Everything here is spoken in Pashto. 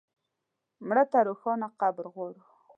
مړه ته روښانه قبر غواړو